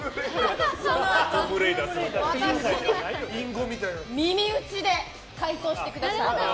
そのあと、私に耳打ちで解答してください。